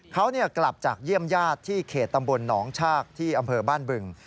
เขากลับจากเยี่ยมญาติที่เขตตำบลหนองชากที่อำเภอบ้านบึง